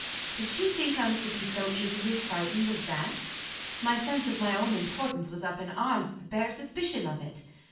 Did she think I was to be so easily frightened as that? My sense of my own importance was up in arms at the bare suspicion of it!